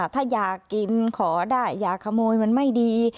ถ้าอยากกินขอได้อยากขโมยมันไม่ดี